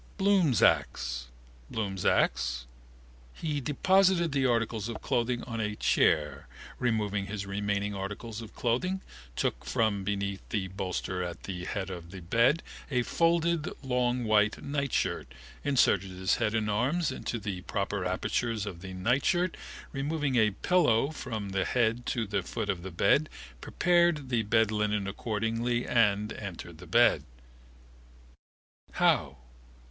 Bloom's acts? He deposited the articles of clothing on a chair, removed his remaining articles of clothing, took from beneath the bolster at the head of the bed a folded long white nightshirt, inserted his head and arms into the proper apertures of the nightshirt, removed a pillow from the head to the foot of the bed, prepared the bedlinen accordingly and entered the bed. How?